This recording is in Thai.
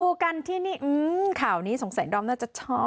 ดูกันที่นี่ข่าวนี้สงสัยดอมน่าจะชอบ